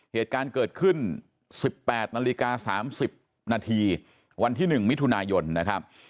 เหตุการณ์เกิดขึ้นสิบแปดนาฬิกาสามสิบนาทีวันที่หนึ่งมิถุนายนนะครับ